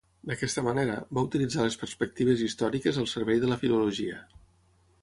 D'aquesta manera, va utilitzar les perspectives històriques al servei de la filologia.